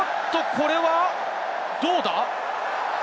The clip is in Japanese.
これはどうだ？